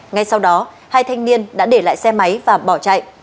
ngay sau đó hai thanh niên đã để lại xe máy và bỏ chạy